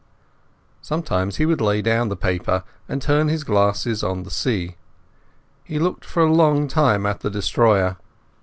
Sometimes he would lay down the paper and turn his glasses on the sea. He looked for a long time at the destroyer.